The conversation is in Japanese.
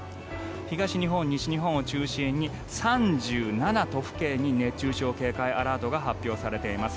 東日本、西日本を中心に３７都府県に熱中症警戒アラートが発表されています。